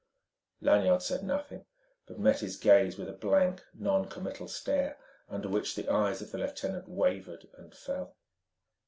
Lanyard said nothing, but met his gaze with a blank, non committal stare, under which the eyes of the lieutenant wavered and fell.